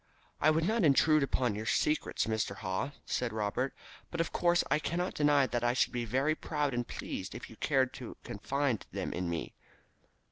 "I would not intrude upon your secrets, Mr. Haw," said Robert, "but of course I cannot deny that I should be very proud and pleased if you cared to confide them to me."